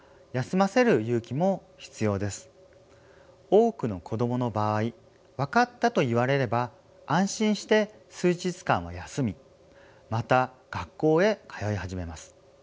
多くの子どもの場合「わかった」と言われれば安心して数日間は休みまた学校へ通い始めます。